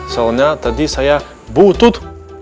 soalnya tadi saya butut